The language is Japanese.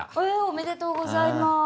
おめでとうございます。